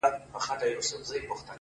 دا خو گراني ستا د حُسن اور دی لمبې کوي-